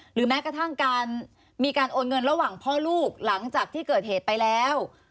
แม้กระทั่งการมีการโอนเงินระหว่างพ่อลูกหลังจากที่เกิดเหตุไปแล้ว